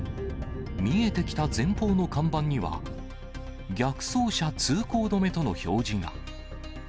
見えてきた前方の看板には、逆走車通行止めとの表示が。